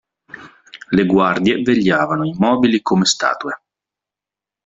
Le guardie vegliavano immobili come statue.